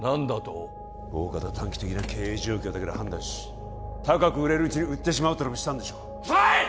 おおかた短期的な経営状況だけで判断し高く売れるうちに売ってしまおうとでもしたんでしょううるさい！